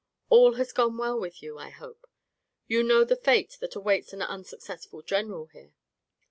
All has gone well with you, I hope. You know the fate that awaits an unsuccessful general here."